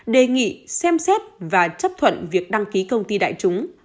đề nghị xem xét và chấp thuận việc đăng ký công ty đại chúng